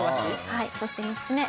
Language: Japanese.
はいそして３つ目。